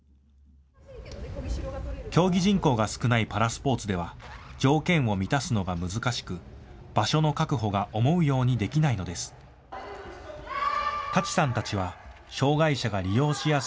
競技人口が少ないパラスポーツでは条件を満たすのが難しく場所の確保が思うようにできないのです。